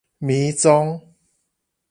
迷蹤